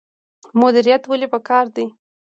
مدیریت ولې پکار دی؟